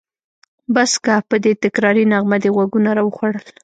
بس که! په دې تکراري نغمه دې غوږونه راوخوړل.